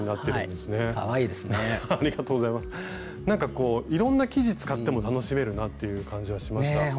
なんかこういろんな生地使っても楽しめるなという感じはしました。